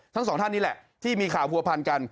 ทั้งสองท่านนี่แหละที่มีข่าวผัวพันกัน